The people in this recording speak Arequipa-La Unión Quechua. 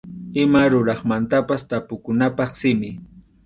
Ima ruraqmantapas tapukunapaq simi.